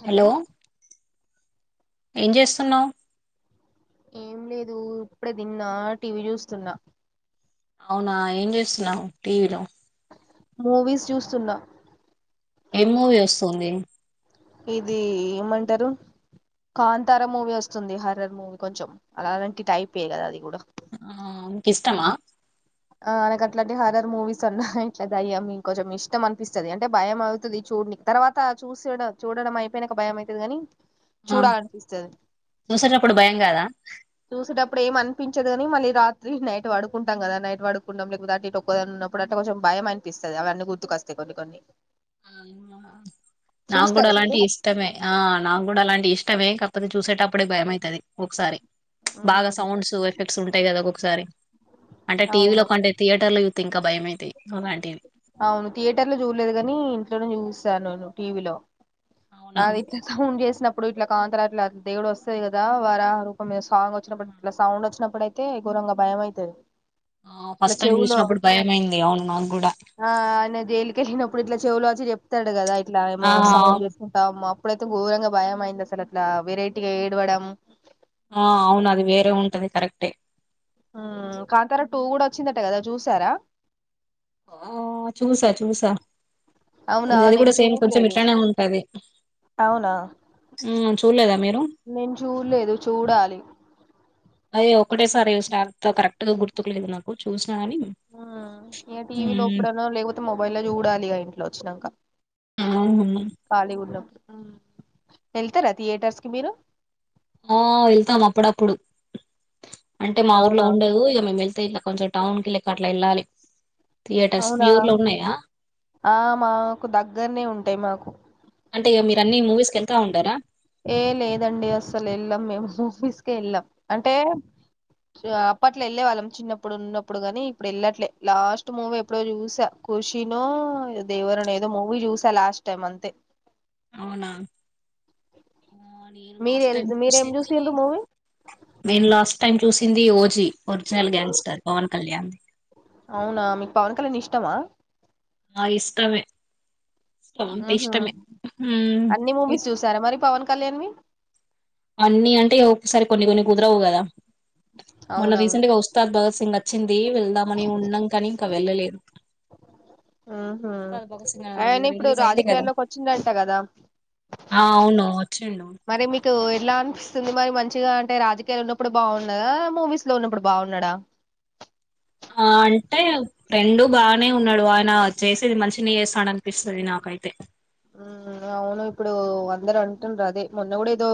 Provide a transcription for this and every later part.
Hello ఏం చేస్తున్నావ్ ఏం లేదు ఇప్పుడే తిన్నా టీవీ చూస్తున్నా అవునా ఏం చేస్తున్నావ్ టీవీలో మూవీస్ చూస్తున్నా ఏ మూవీ వస్తుంది ఇది ఏమంటారు కాంతారా మూవీ వస్తుంది హర్రర్ మూవీ కొంచెం అలాంటి టైపే కదా అది కూడా ఆ ఇకిష్టమా ఆ నాకు అట్లాంటి హరర్ మూవీస్ అన్నా ఇట్ల దయ్యం కొంచెం ఇష్టం అనిపిస్తుంది అంటే భయం అవుతుంది చూడనికి తర్వాత చూస చూడడం అయిపోయినాక భయం అయితది ని ఆ చూసేటప్పుడు భయం కాదా పించదు కాని మళ్ళీ రాత్రి నైట్ పడుకుంటాం కదా నైట్ పడుకుంటాం లేకపోతే అంటు ఇటు ఒక్కదాన్ని ఉన్నప్పుడు అంటే కొంచం భయం అనిపిస్తాది అవన్నీ గుర్తుకొస్తే కొన్ని కొన్ని నాకు కూడా చూస్తారా అలాంటి మీరు ఇష్టమే ఆ నాకు కూడా అలాంటి ఇష్టమే కా [unintelligible] చూసేటప్పుడే భయమవుతది ఒకసారి బాగా ఉమ్, సౌండ్స్ ఎఫెక్ట్స్ ఉంటాయి కదా ఒకొక్ సరే అంటే టీవి అవును లో కంటే థియేటర్ లో ఇంకా భయమైతయి అలాంటివి అవును థియేటర్ లో చూడలేదు కాని ఇంట్లోనే చూసాను ను టీవీలో అవునా అది ఇట్ల సౌండ్ చేస్ చ్చినప్పుడు ఇట్లా కాంతార అట్లా దేవుడు వస్సది కదా, వారహ రూపం ఆ సాంగ్ వచ్చినప్పుడు ఇట్లా సౌండ్ వచ్చినప్పుడు అయితే ఘోరంగా భయం అయితది. ఆ ఇట్లా ఫస్ట్ టైం చెవులో చూసినప్పుడు భయం అయింది అవును నాగ్గూడా ఇప్పుడు ఇట్ల చెవులు వచ్చి చెప్తాడు కదాయ్ ఇట్లా ఏమో సౌండ్ అమ్మె అప్పుడైతే ఘోరంగా భయం అయింది అసలు అట్లా వెరైటీగా ఏడవడం ఆ అవును అది వేరే ఉంటది కరెక్టే కాంతారా టూ కూడా వచ్చిందట కదా చూసారా ఆ చూసా చూసా అవునా అది కూడా నేను సేమ్ కొంచెం చూడలేదు ఇట్లానే ఉంటది అవునా చూడలేదా మీరు నేను చూడలేదు చూడాలి అయ్యో ఒకటే సారి చూసిన అంతే కరెక్ట్ గా గుర్తుకు లేదు నాకు చూస్ ఆ టీవీ లో ఇప్పుడనో లేకపోతే మొబైల్లో నో చూడాలిగా ఇంట్లో వచ్చినాక అవును కాలిగున్నప్పుడు వెళ్తారా థియేటర్స్ కి మీరు ఆ వెళ్తాం అప్పుడప్పుడు అంటే మా ఊర్లో అవునా ఉండదు ఇక మేము వెళ్ [unintelligible] తియాల్ల కొంచెం టౌన్ కి అట్ల వెళ్లాలి అవునా ఆ మాకు దగ్గరనే ఉంటాయి మాకు అంటే మీరు అన్ని మూవీస్ కి వెళ్తా ఉంటారా ఏ లేదండి అసలు వెళ్ళాం మేము మూవిస్ వెళ్ళాం అంటే అప్పట్లో వెళ్ళే వాళ్ళం చిన్నప్పుడు ఉన్నప్పుడు కాని ఇప్పుడు వెళ్ళట్లే లాస్ట్ మూవీ ఎప్పుడో చూసా ఖుషినో దేవరనో ఏదో మూవీ చూసా లాస్ట్ టైం అంతే అవునా ఆ నేను లాస్ట్ మీరెల్ టైం మీరేం చూసింది చూసిండ్రు మూవీ నేను లాస్ట్ టైం చూసి Hindi OG original gangster Pawan Kalyan ది అవునా మీకు పవన్ కళ్యాణ్ ఇష్టమా ఆ ఇష్టమే పవన్ అంటే ఉహు ఇష్టమే అన్ని మూవీస్ చూసారా మరి పవన్ కళ్యాణ్ వి అన్ని అంటే ఒకోసారి కొన్ని కొన్ని కుదరవు కదా మొన్న అవునవును రీసెంట్ గా వస్తాద్ దొ నిన్నా వచ్చింది వెళ్దామని ఉన్నాం కాని ఇంకా వెళ్ళలేదు ఆహా ఉస్తాద్ భగత్ సింగ్ అయన ఇప్పుడు రిలీజ్ అయింది కదా రాజకీయాల్లోకి వచ్చిండంట కదా ఆ అవును వచ్చిండు మరి మీకు ఎలా అనిపిస్తుంది మరి మంచిగా అంటే రాజకీయాలు ఉన్నప్పుడు బాగున్నదా మూవీస్ లో ఉన్నప్పుడు బాగున్నాడా ఆ అంటే రెండు బానే ఉన్నాడు ఆయన చేసేది మంచినే చేస్తాడు అనిపిస్తాది నాకైతే అవును ఇప్పుడు అందరు అంటున్నారు అదే మొన్న కూడా ఏదో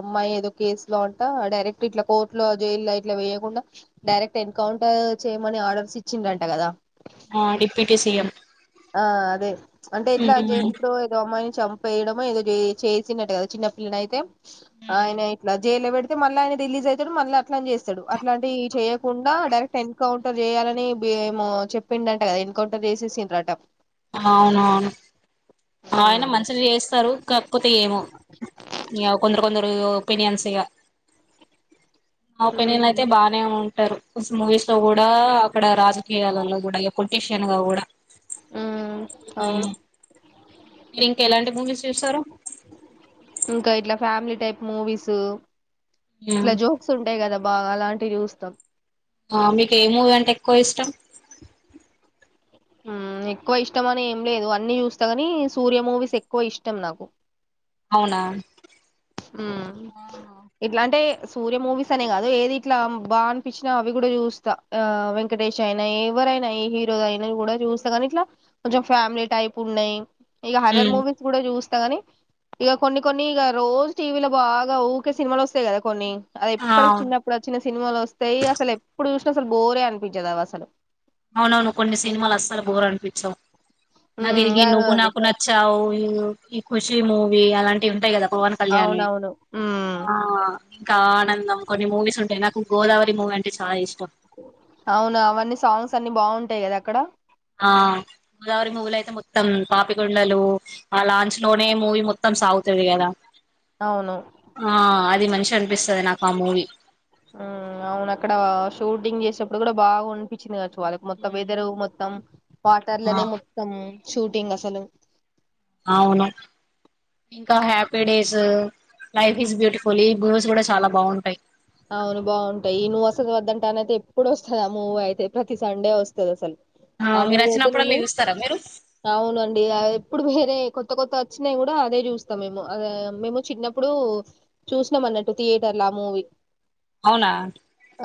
అమ్మాయి ఏదో కేసు లో అంట డైరెక్ట్ ఇట్లా కోర్టులో జైల్లో ఇట్లా వేయకుండా డైరెక్ట్ ఎన్కౌంటర్ చేయమని ఆర్డర్స్ ఇచ్చిండంట కదా ఆ డిప్యూటీ సిఎం ఆ అదే అంటే ఇట్లా అజయ్ ఇప్పుడు ఏదో అమ్మాయిని చంపేయడం ఏదో చేసినట్టు కదా చిన్న పిల్లని అయితే ఆయన ఇట్ జైల్లో పెడితే మళ్ళీ ఆయన రిలీజ్ అవుతాడు మళ్ళీ అట్లా చేస్తాడు అట్లాంటివి చేయకుండా డైరెక్ట్ ఎన్కౌంటర్ చేయాలని ఏమో చెప్పిండ అంట కదా ఎన్కౌంటర్ చేసేసిన్రట అయినా ఉమ్ మంచిగా చేస్తారు కాకపోతే ఏమో మ [unintelligible] కొందరు కొందరు ఒపీనియన్స్ గా మా పెళ్ళిల్లు అయితే బాగానే ఉ వస్తారు మూవీస్ లో కూడా అక్కడ రాజకీయాలలో కూడా పొలిటీషియన్ గా కూడా మ్మ్ అవును ఉమ్. మీరు ఇంక ఎలాంటి మూవీస్ చూస్సారు ఇంకా ఇట్లా ఫ్యామిలీ టైప్ మూవీసు ఇట్ల మ్మ్. జోక్స్ ఉంటాయి కదా బాగా అలాంటివి చూస్తాం ఆ మీకు ఏ మూవీ అంటే ఎక్కువ ఇష్టం మ్మ్ ఎక్కువ ఇష్టం అని ఏం లేదు అన్నీ చూస్తా కాని సూర్య మూవీస్ ఎక్కువ ఇష్టం నాకు అవునా ఉమ్ ఇట్లాంటే సూర్య మూవీస్ అనే కాదు ఏది ఇట్లా బా అనిపిచినా అవి కూడా చూస్తా, ఆ వెంకటేష్ అయినా ఎవరైనా ఏ హీరో అయినా కూడా చూస్తా కానీ, ఇట్లా కొంచెం ఫ్యామిలీ టైప్ ఉన్నయి. ఇగ హర్రర్ ఉమ్ మూవీస్ కూడా చూస్ తగానీ ఇగ కొన్ని కొన్ని ఇగ రోజ్ టీ వీ లో బాగా ఊరికే సినిమాలు వస్తాయి కదా కొన్ని అది ఆ ఎప్పటికి అవును చిన్నప్పుడు వచ్చిన సినిమాలు వస్తాయి అసలు ఎప్పుడు చూస్ అసలు బోరే అనిపించదు అవి అసలు అవునవును కొన్ని సినిమాలు అస్సలు బోరు అనిపించవు నాక్ ఉమ్ గా- [unintelligible] నువ్వు అది నాకునచ్చవు మ్మ్ ఈ ఖుషి మూవీ అలాంటివి ఉంటాయి కదా పవన్ కళ్యాణ్ వి అవునవును ఉమ్ ఆ ఇంకా ఆనందం కొన్ని మూవీస్ ఉంటాయి నాకు గోదావరి మూవీ అంటే చాలా ఇష్టం అవునా అవన్నీ సాంగ్స్ అన్ని బాగుంటాయి కదా అక్కడ ఆ గోదావరి మూవీలో అయితే మొత్తం పాపికొండలు ఆ లాంచ్ లోనే మూవీ మొత్తం సాగుతది కదా అవును ఆ అది ది మంచిగ అనిపిస్తది నాకు ఆ మూవీ మ్మ్ అవును అక్కడ షూటింగ్ చేసేప్పుడు కూడా బాగా అనిపించింది వాళ్ళకి మొత్తం మ్మ్. వెదరు మొత్తం ఆ వాటర్లనే మొత్తం షూటింగ్ అసలు అవును స్సలు లైఫ్ ఇస్ బ్యూటిఫుల్ ఈ బూస్ కూడా చాలా బాగుంటాయి అవును బాగుంటాయి నువ్వు వసలు వద్దంటే అన అయితే ఎప్పుడు వస్తుంది మూవీ అయితే ప్రతి సండే వస్తుంది అసలు ఆ మీరు మూవీ అయితే నిను వచ్చినప్పుడల్లా చూస్తారా మీరు అవునండి ఆ ఎప్పుడు పో అదే కొత్త కొత్త వచ్చినాయి కూడా అదే చూస్తాం మేమో మేము చిన్నప్పుడు చూసాం అన్నట్టు థియేటర్ల ఆ మూవీ అవునా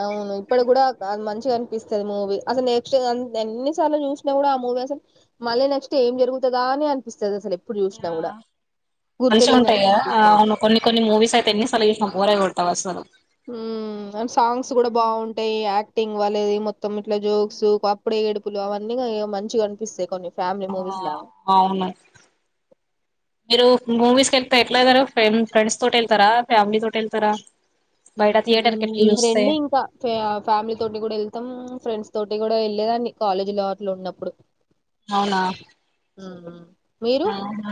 అవును ఇప్పడు కూడా కా మంచి కనిపిస్తు మూవీ అస నెక్స్ట్ ఎన్ని సార్లు చూసినా కూడా ఆ మూవీ అసలు మళ్ళీ నెక్స్ట్ ఏం జరుగుతుందా అని అనిపిస్తుంది అసలు ఎప్పుడు చూసినా ఆ కూడా మంచిగా గుర్తులేనట్టు ఉంటాయా అనిపిస్తది అవును కొన్ని కొన్ని మూవీస్ అయితే ఎన్నిసలు చేసిన బోర అయ కొడతావు అసలు అండ్ సాంగ్స్ కూడా బాగుంటాయి యాక్ టింగ్ వా అది మొత్తం ఇట్లా జోక్స్ అప్పుడే ఏడుపులు అవన్నీ మంచిగా కనిపిస్తాయి కొన్ని ఫ్యామిలీ ఆ మూవీస్ లాగా అవును మీరు మూవీస్కి వెళ్తే ఎట్లా వెళ్తారా ఫ్రెండ్స్ తోటి వెళ్తారా ఫ్యామిలీ తోటి వెళ్తారా బయట ఉ థియేటర్ కి ఎట్లా చూస్తే రండి ఇంకా ఫ ఫ్యామిలీ తోటి కూడా వెళ్తాం ఫ్రెండ్స్ తోటి కూడా వెళ్లేదాన్ని కాలేజీ లో అట్లు ఉన్నప్పుడు అవునా ఉ హు అవునా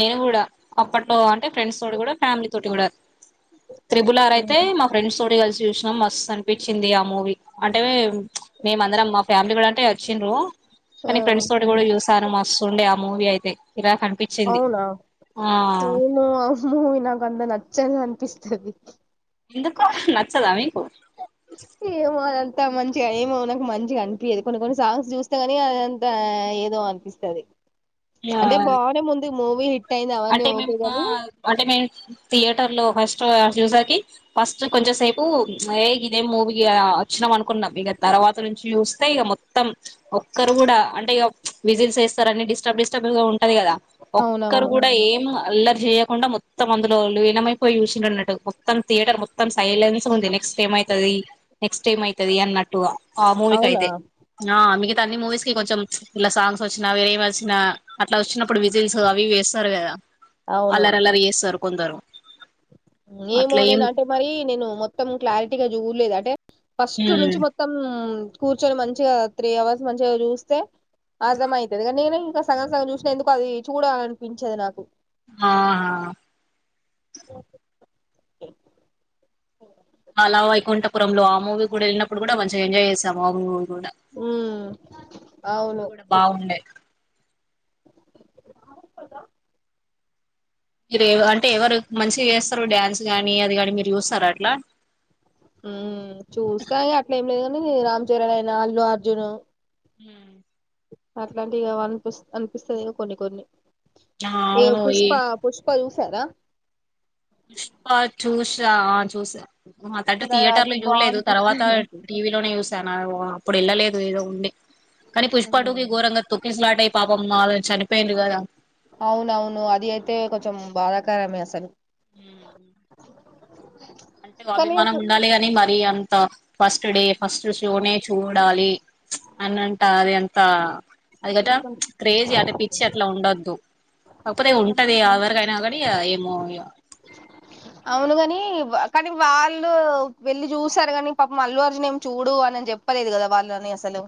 నేను కూడా అప్పట్లో అంటే ఫ్రెండ్స్ తోటి కూడా ఫ్యామిలీ తోటి కూడా త్రిబుల్ ఆర్ అయితే హ్మ్. మా ఫ్రెండ్స్ తోటి కలిసి చూసినాం మస్తు అనిపించింది ఆ మూవీ అంటే మేమందరం మా ఫ్యామిలీ కూడా అంటే చిండ్రు ఆ కానీ ఫ్రెండ్స్ తోటి కూడా చూసాను మస్తు ఉండే మూవీ అయి తే అవునా ఏమో ఆ మూవీ నాకంత న చదు అనిపిస్తది ఎందుకు నచ్చదా మీకు ఏమో అదన్ త మంచిగా ఏమో నాకు మంచిగా అనిపించేదు కొన్ని కొన్ని సాంగ్స్ చూస్తే కానీ అదంత ఏదో అనిపిస్తది ఆ అంటే బానే ముందు మూవీ అయింది అవన్నీ అంటే ఓకే మేము గాని అంటే మేము థియేటర్ లో ఫస్ట్ చుసాకి ఫస్ట్ కొంచం సేపు ఏ ఇదేం మూవీ వచ్చినాం అనుకున్నాం ఇక తర్వాత నుంచి చూస్తే ఇక మొత్తం ఒక్కరు కూడా అంటే ఇగ విజిల్స్ వేస్తారు అని డిస్టర్బ్ డిస్టర్బ్గా ఉంటది కదా ఒక్కరు అవునవును కూడా ఏమ అల్లరి చేయకుండా మొత్తం అందులో లీనమైపోయి చూసిరన్నట్టు మొత్తం థియేటర్ మొత్తం సైలెన్స్ ఉంది నెక్స్ట్ ఎం అయితది నెక్స్ట్ ఎం అయితది అన్నట్టుగా అ అవునా మూవీకైతే నా మిగ ఇట్ట అన్ని మూవీస్ కి కొంచెం ఇలా సాంగ్స్ వచ్చినా ఏమి వచ్చినా అట్లా వచ్చినప్పుడు విజిల్స్ అవి వేస్ ఉంటారు కదా అవును అల్లరల్లరి చేస్తారు కొందరు ఏమో అట్లా ఏం నేను అంటే మరి నేను మొత్తం క్లారిటీగా చూడలేదు అంటే ఫస్ట్ ఉమ్ నుంచి మొత్తం కూర్చొని మంచిగా త్రీ అవర్స్ మంచిగా చూస్తే అర్థం అయితది కానీ నేను ఇంకా సగం సగం చూసిన ఎందుకు అది చూడాలనిపించదు నాకు ఆహా అలా వైకుంఠపురంలో ఆ మూవీ కూడా వెళ్ళినప్పుడు కూడా మంచిగా ఎంజాయ్ చేశాము అవును కూడా ఉమ్ అ మూవీ అవును కూడా బాగుండే మీరు అంటే ఎవరు మంచిగ చేస్తారు డ్యాన్స్ కాని అది కాని మీరు చూస్తారా అట్లా ఉ చూస్తా అట్లా ఏం లేదు కానీ రామ్ చరణ్ అయినా అల్లు అర్జును ఉ అట్లాంటివి ఇగ అనిపిస్ అనిపిస్తదిగ కొన్ని కొన్ని ఆ ఏ అవును ఈ పుష్ప పుష్పా జూస్ సరా అ చూష ఆ చూస ఉహ అంటే నాకు అది థియేటర్లు బాగా యులేదు అనిపిస్తాయి తర్వాత నాకు టీవీలోనే యూ సాను అ ఓ ఇప్పుడు ఎళ్ళలేదు ఏదో ఉండి కానీ పుష్పాటుుకి గోరంగ తొకిస్లాటైయి పాపం ఆమె చనిపోయింది గదా అవునవును అది అయితే కొంచెం బాధాకరమే అసలు ఊ అంటే కానీ అభిమానం అసలు ఉండాలి గాని మరి అం త ఫస్ట్ డే ఫస్ట్ షోనే చూడాలి అన్నంట అది అంత అది గటా ప్చ్ క్రేజ్ అది పిచ్చి అట్ల ఉండొద్దు కాకపోతే ఉంటది ఎవరకయినా గాని ఏమో ఇగ అవును గని వ కానీ వాళ్ళు వెళ్ళి జూసారు గని పాపం అల్లు అర్జున్ ఏమి చూడు అనని చెప్పలేదు కదా వాళ్ళని అసలు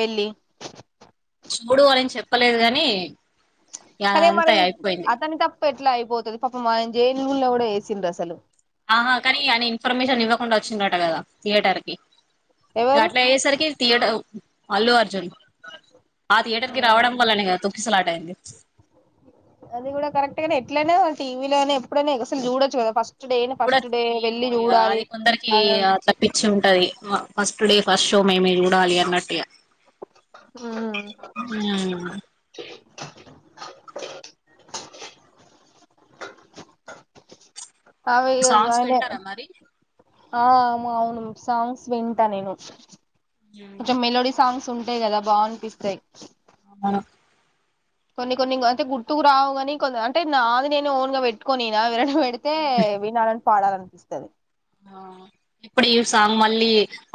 వెళ్ళి చూడు అనని చెప్పలేదు గని అరే మరి అతని తప్ ఎట్లా అయిపోతది పాప అయినన్ జేన్ లో గూడా ఏసిండు అసలు ఆహా కానీ అన ఇన్ఫర్మేషన్ ఇవ్వకుండా వచ్చిండట గద థియేటర్ కి ఇ ఎవరు అట్ల అయ్యేసరికి తీయడం అల్లు అర్జున్ ఆ థియేటర్ కి రావడం వల్లనే గదా తొక్కిసలాట అయ్యింది అది కూడా కరెక్ట్ గానే ఎట్లైనా టీవీలోనే ఎప్పుడైనా ఇగ అసలు జూడొచ్చు కదా ఫస్ట్ డే చూడ ఫస్ట్ డే వెళ్ళి ఏమో ఇగ చూడాలి అది కొందరికి అ అట్లా పిచ్చి ఉంటది మ ఫస్ట్ డే ఫస్ట్ షో మేమే చూడాలి అన్నట్టిగ ఆ అ అవి ఇగ సాంగ్స్ బానే వింటారా మరి ఆ అవును సాంగ్స్ వింటా నేను ఇట్ల మెలోడి సాంగ్స్ ఉంటయి గద బా అనిపిస్తయి ఆ కొన్ని కొన్ని అంటే గుర్తుకు రావు గని కొ అంటే నాది నేను ఓన్ గా వెట్టుకొని ఇనా వినడం ఎడితే వీనాలన్ పాడాలనిపిస్తుంది ఆ ఇప్పుడు ఈ సాంగ్ మళ్ళీ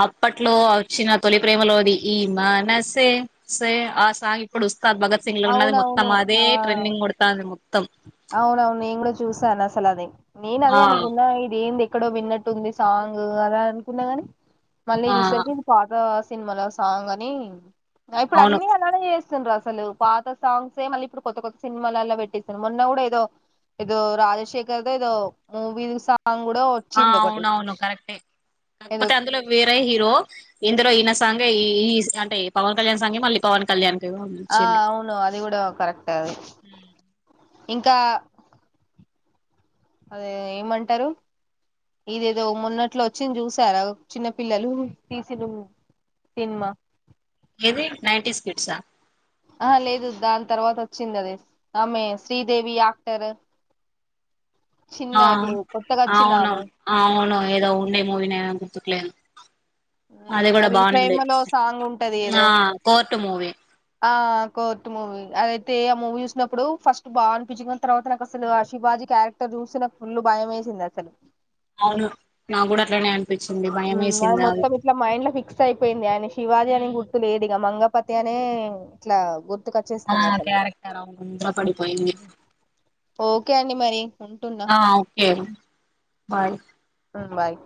అప్పట్లో వచ్చిన తొలి ప్రేమలోది ఈమాన సే సే ఆ సాంగ్ ఇప్పుడు వ భగత్ సింగ్ లో ఉన్నది మొత్త అవునవును అదే ఆ ట్రెండింగ్ కొడుతాంది మత్తం అవునవును నేను కూడా చూసాను అసలు అదే నేను అదే ఆ అనుకున్నా ఇది ఏ ఎక్కడో విన్నట్టుంది సాంగ్ అలా అనుకున్నా గాని మళ్ళీ ఆ చూసరికి ఇది బాగా సినిమాలో సాంగ్ అని అ ఇప్పుడు అవును అన్ని అలానే చేస్ అసలు పాత సాంగ్స్ మళ్ళీ ఇప్పుడు కొత్త కొత్త సినిమాలు అలా పెట్టటి నేన్ మోన్న కూడా ఏదో ఏదో రాజశేఖర్దో ఏదో మూవీ జూసా ఆ అవునవును కరెక్టే ఉ ఏదో కాకపోతే అందులో వేరే హీరో ఇందులో ఈన సాంగె ఈ అంటే పవన్ క్యాణం సాంగె మళ్ళీ పవన్ కళ్యాన్ ఆ అవును అది కూడా కరెక్ట్ అ ఇంకా అదే ఏమంటారు ఇదేదో మొన్నట్లో ఒచ్చింది చూసారా చిన్న పిల్లలు తీసిన సినిమా ఎది నైన్టీస్ కిడ్సా ఆ లేదు దాం తర్వాత ఒచ్చింది అది ఆమె శ్రీదేవి యాక్టరు ఆ అవును ఆమె అవును ఏదో ఉండే మూవీనే ఆ గుర్తుకులేదు ఊ కూడా అది బానే ప్రేమలో సాంగ్ ఉంటది ఏదో టు మూవి ఆ కోర్ట్ మూవీ అదయితే ఆ మూవీ చూసినప్పుడు ఫస్ట్ బాగా అనిపిచిది గాని తర్వాత నాకు అసలు హ శిబాజీ క్యారెక్టర్ చూసి నా ఫుల్ భయం ఏసింది అసలు అవును నాకూడా అట్లనే అన్ అది మొత్తం ఇట్లా మైండ్ లో ఫిక్స్ అయిపోయింది ఆయన శివాజీ అని ఉమ్. గుర్తు లేదు ఇగా మంగ పత్యానే ఇట్లా ఆ గుర్తుకొచ్చేస్తుంది అసలు అది క్యారెక్టర్ అ ముద్ర పడిపోయింది ఓకే అండి మరి ఉంటున్నా ఆ ఓకే బాయ్ హుమ్ బాయ్